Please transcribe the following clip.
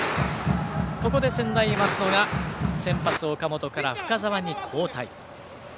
ここで専大松戸が先発の岡本から深沢に交代。